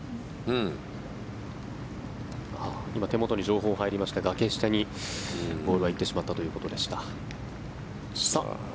今、手元に情報入りましたが崖下にボールは行ってしまったということでした。